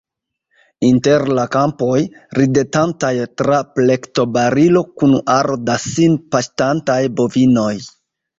Inter la kampoj, ridetantaj tra plektobarilo, kun aro da sin paŝtantaj bovinoj.